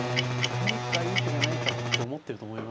何かいい手がないかって思ってると思いますよ